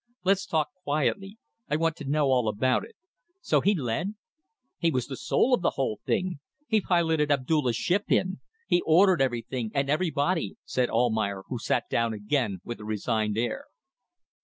Let's talk quietly. I want to know all about it. So he led?" "He was the soul of the whole thing. He piloted Abdulla's ship in. He ordered everything and everybody," said Almayer, who sat down again, with a resigned air.